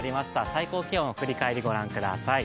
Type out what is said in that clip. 最高気温、振り返りご覧ください。